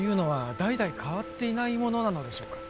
代々変わっていないものなのでしょうか？